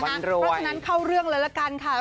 เพราะฉะนั้นเข้าเรื่องเลยละกันค่ะ